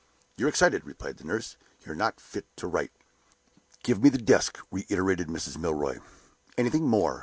"You're excited," replied the nurse. "You're not fit to write." "Give me the desk," reiterated Mrs. Milroy. "Anything more?"